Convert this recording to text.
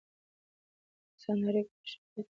د انسانانو د اړیکو تشریح باید دقت ولري.